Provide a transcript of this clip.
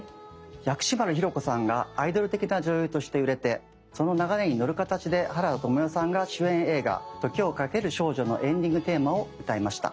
薬師丸ひろ子さんがアイドル的な女優として売れてその流れに乗る形で原田知世さんが主演映画「時をかける少女」のエンディングテーマを歌いました。